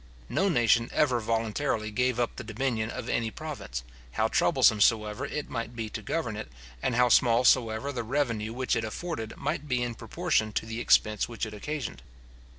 No nation ever voluntarily gave up the dominion of any province, how troublesome soever it might be to govern it, and how small soever the revenue which it afforded might be in proportion to the expense which it occasioned.